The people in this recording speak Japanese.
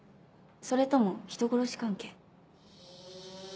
それとも人殺し関係？